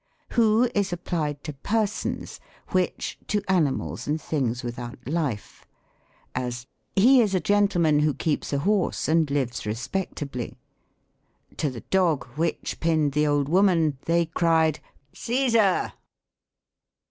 Who is applied to persons, which to animals and things without life ; as, "■ He is a gentleman who keeps a hoi'se and lives respectably." To the dog which pinned the old woman, they cried, ' Ccesar